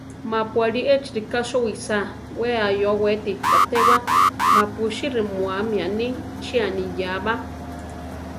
Mapu alí echi rika suwísa, we ayóweti katéwa, mapusí rimúami aní chí aniyába.